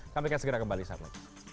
kami akan segera kembali sarlo